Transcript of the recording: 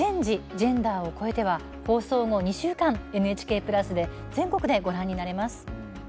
ジェンダーをこえて」は放送後２週間、ＮＨＫプラスで全国でご覧になれます。